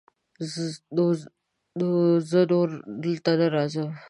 نو زه نور دلته نه راځم.